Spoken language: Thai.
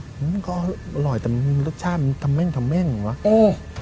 มันก็อร่อยแต่รสชาติมันทำแม่งทำแม่งวะเออ